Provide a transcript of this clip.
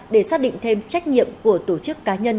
để xác định thêm trách nhiệm của tổ chức cá nhân